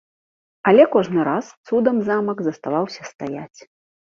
Але кожны раз цудам замак заставаўся стаяць.